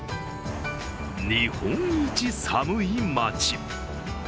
日本一寒い町。